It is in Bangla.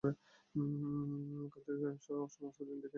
কাল তোকে সমস্তদিন দেখি নাই, মনে হইয়াছিল বুঝি তোদের আর দেখিতে পাইব না।